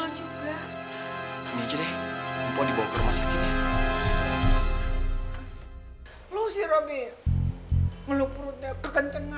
ini aja deh mpok dibawa ke rumah sakitnya